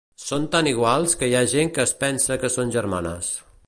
Són tan iguals que hi ha gent que es pensa que són germanes.